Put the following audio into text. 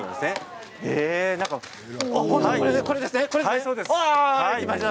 これですね。